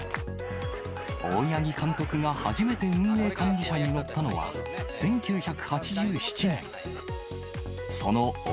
大八木監督が初めて運営管理車に乗ったのは１９８７年。